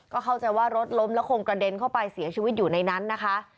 เข้าใจว่ารถล้มแล้วคงกระเด็นเข้าไปเสียชีวิตอยู่ในนั้นนะคะ